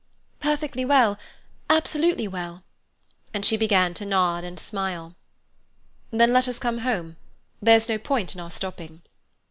"Perfectly well—absolutely well." And she began to nod and smile. "Then let us come home. There's no point in our stopping."